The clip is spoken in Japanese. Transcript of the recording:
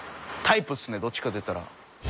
どっちかといったら。